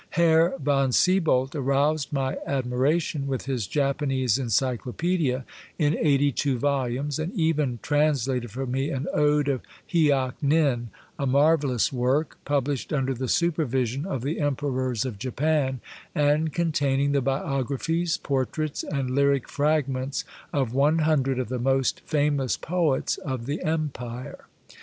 Herr von Sieboldt aroused my admiration with his Japanese encyclopaedia in eighty two volumes, and even translated for me an ode of Hiak nin, a marvellous work, published under the supervision of the Emperors of Japan, and containing the biog raphies, portraits, and lyric fragments of one hun dred of the most famous poets of the Empire.